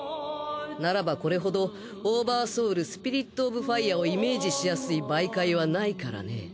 ならばこれほどオーバーソウルスピリットオブファイアをイメージしやすい媒介はないからね。